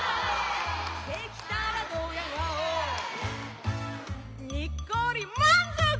「できたらどや顔にっこり満足」